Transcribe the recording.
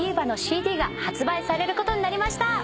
ＬＡＤＩＶＡのＣＤが発売されることになりました。